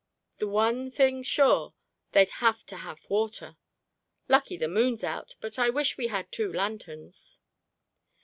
And one thing sure—they'd have to have water. Lucky the moon's out, but I wish we had two lanterns."